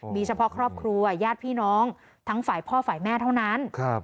มีเฉพาะครอบครัวญาติพี่น้องทั้งฝ่ายพ่อฝ่ายแม่เท่านั้น